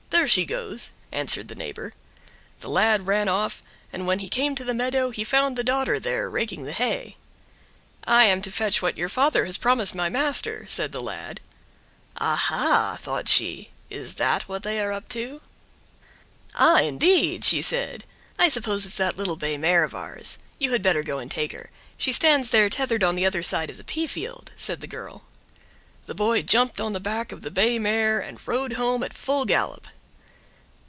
There she goes!" answered the neighbor. The lad ran off and when he came to the meadow he found the daughter there raking the hay. "I am to fetch what your father has promised my master," said the lad. "Ah, ha!" thought she. "Is that what they are up to?" "Ah, indeed!" she said. "I suppose it's that little bay mare of ours. You had better go and take her. She stands there tethered on the other side of the pea field," said the girl. The boy jumped on the back of the bay mare and rode home at full gallop.